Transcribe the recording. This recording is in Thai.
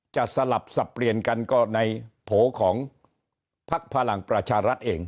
สลับสับเปลี่ยนกันก็ในโผล่ของพักพลังประชารัฐเอง